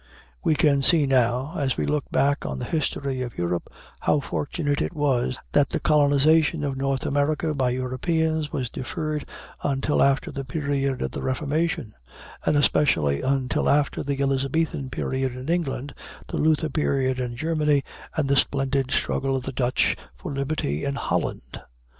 We can see now, as we look back on the history of Europe, how fortunate it was that the colonization of North America by Europeans was deferred until after the period of the Reformation, and especially until after the Elizabethan period in England, the Luther period in Germany, and the splendid struggle of the Dutch for liberty in Holland.